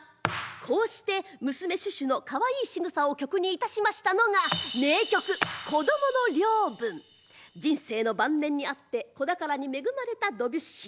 こうして娘シュシュのかわいいしぐさを曲にいたしましたのが人生の晩年にあって子宝に恵まれたドビュッシー。